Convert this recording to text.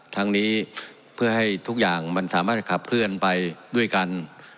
ทั้งนี้เพื่อให้ทุกอย่างมันสามารถจะขับเคลื่อนไปด้วยกัน